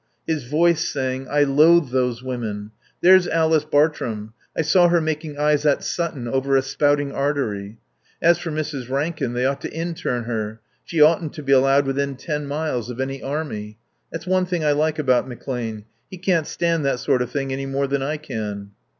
His voice saying, "I loathe those women. There's Alice Bartrum I saw her making eyes at Sutton over a spouting artery. As for Mrs. Rankin they ought to intern her. She oughtn't to be allowed within ten miles of any army. That's one thing I like about McClane. He can't stand that sort of thing any more than I can."